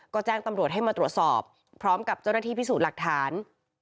ก็แจ้งตำรวจให้มาตรวจสอบพร้อมกับเจ้าหน้าที่พิสูจน์หลักฐาน